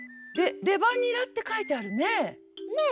「レバニラ」って書いてあるねえ。